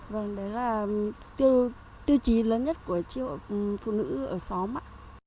vâng đấy là tiêu chí lớn nhất của tri hội phụ nữ ở xóm ạ